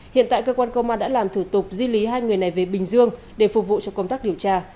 hiện tại cơ quan công an đã làm thủ tục di lý hai người này về bình dương để phục vụ cho công tác điều tra